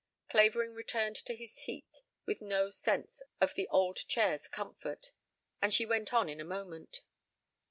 Clavering returned to his seat with no sense of the old chair's comfort, and she went on in a moment.